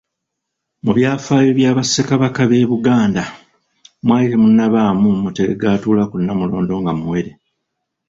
Mu byafaayo bya Bassekabaka b'e Buganda mwali temunnabaamu muteregga atuula ku Nnamulondo nga muwere.